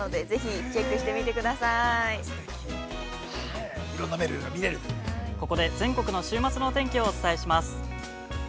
◆ここで全国の週末の天気をお伝えします。